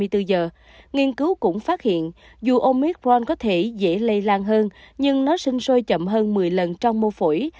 nghiên cứu cũng phát hiện dù omicron có thể dễ lây lan hơn nhưng nó sinh sôi chậm hơn một mươi lần trong mô phổi